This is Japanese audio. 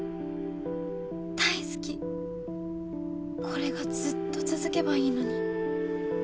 これがずっと続けばいいのに。